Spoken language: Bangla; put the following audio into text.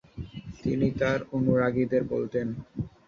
তিনি তার অনুরাগীদের বলতেন-